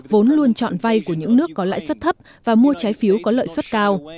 vốn luôn chọn vay của những nước có lãi suất thấp và mua trái phiếu có lãi suất cao